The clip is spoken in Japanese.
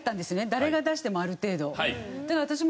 誰が出してもある程度。